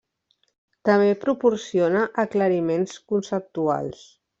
També proporciona aclariments conceptuals.